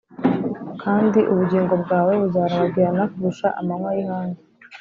kandi ubugingo bwawe buzarabagirana kurusha amanywa y’ihangu,